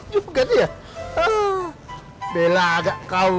juga dia bela agak kau